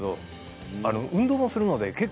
運動もするので。